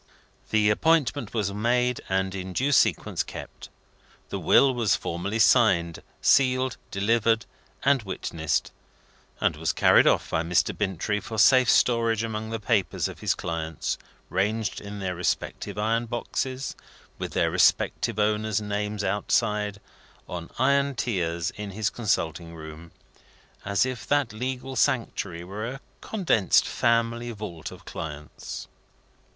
The appointment was made, and in due sequence, kept. The will was formally signed, sealed, delivered, and witnessed, and was carried off by Mr. Bintrey for safe storage among the papers of his clients, ranged in their respective iron boxes, with their respective owners' names outside, on iron tiers in his consulting room, as if that legal sanctuary were a condensed Family Vault of Clients.